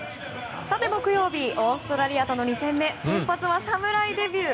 木曜日オーストラリアとの２戦目先発は、侍デビュー